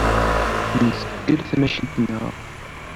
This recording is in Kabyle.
Nezgel tamacint-nneɣ.